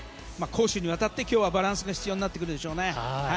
攻守にわたって今日はバランスが必要になってくるでしょうね。